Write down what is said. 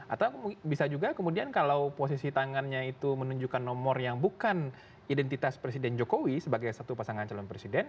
atau bisa juga kemudian kalau posisi tangannya itu menunjukkan nomor yang bukan identitas presiden jokowi sebagai satu pasangan calon presiden